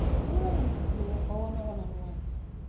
Ur awent-ttzewwiqeɣ unuɣen-nwent.